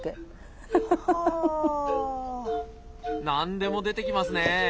何でも出てきますね。